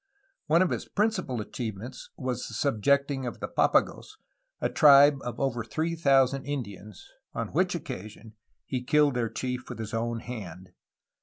One of his principal achieve ments was the subjecting of the Papagos, a tribe of over thr^e thousand Indians, on which occasion he killed their chief with his own hand.